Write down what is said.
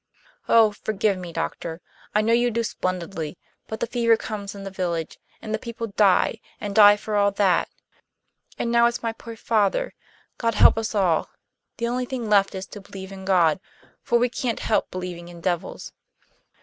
Oh, forgive me, Doctor, I know you do splendidly; but the fever comes in the village, and the people die and die for all that. And now it's my poor father. God help us all! The only thing left is to believe in God; for we can't help believing in devils."